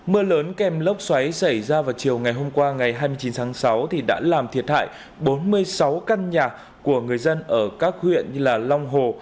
mưa lớn kèm lốc xoáy xảy ra vào chiều ngày hôm qua ngày hai mươi chín tháng sáu đã làm thiệt hại bốn mươi sáu căn nhà của người dân ở các huyện như long hồ